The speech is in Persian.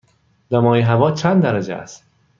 دمای هوا چند درجه است؟